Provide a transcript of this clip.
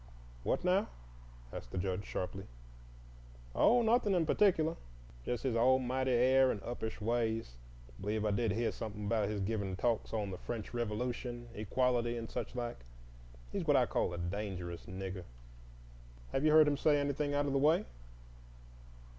"What now?" asked the Judge, sharply. "Oh, nothin' in particulah,—just his almighty air and uppish ways. B'lieve I did heah somethin' about his givin' talks on the French Revolution, equality, and such like. He's what I call a dangerous Nigger." "Have you heard him say anything out of the way?"